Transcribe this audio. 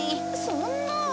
そんな。